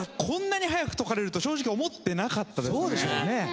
こんなに早く解かれると正直思ってなかったですね。